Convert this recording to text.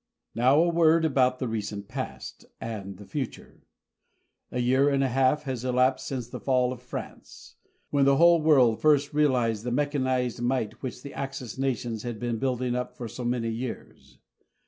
Now a word about the recent past and the future. A year and a half has elapsed since the fall of France, when the whole world first realized the mechanized might which the Axis nations had been building up for so many years.